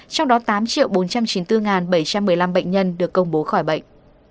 trong đó tám bốn trăm chín mươi bốn bảy trăm một mươi năm bệnh nhân được công bố khỏi bệnh